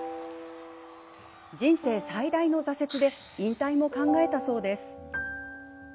人生最大の挫折で引退も考えたそうです。